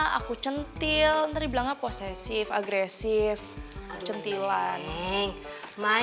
mau mandi mau ke rumahnya